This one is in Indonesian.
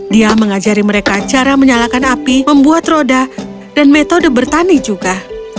dia mengajari mereka cara menyalakan api membuat roda dan metode bertani juga